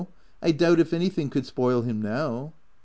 I doubt if anything could spoil him now."